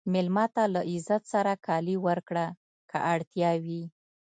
مېلمه ته له عزت سره کالي ورکړه که اړتیا وي.